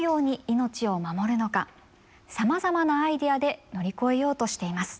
さまざまなアイデアで乗り越えようとしています。